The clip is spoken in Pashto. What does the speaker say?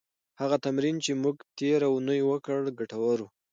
هغه تمرین چې موږ تېره اونۍ وکړه، ګټور و.